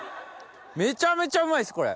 めちゃめちゃうまいですこれ。